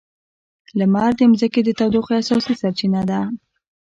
لمر د ځمکې د تودوخې اساسي سرچینه ده.